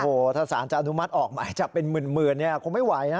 โอ้โหถ้าสารจะอนุมัติออกหมายจับเป็นหมื่นเนี่ยคงไม่ไหวนะ